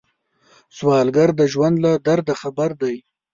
سوالګر د ژوند له درده خبر دی